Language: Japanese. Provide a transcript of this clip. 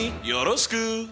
よろしく！